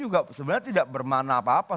juga sebenarnya tidak bermakna apa apa